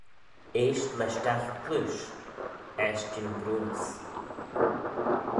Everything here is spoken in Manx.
Easht lesh dagh cleaysh, eisht jean briwnys